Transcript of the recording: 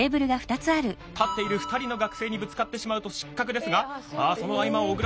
立っている２人の学生にぶつかってしまうと失格ですがその合間を小倉さん